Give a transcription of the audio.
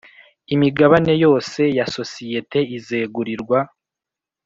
Imigabane yose ya sosiyete izegurirwa